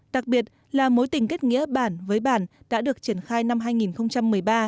đặc biệt là mối tình kết nghĩa bản với bản đã được triển khai năm hai nghìn một mươi ba